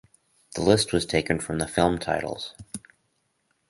The list was taken from the film titles.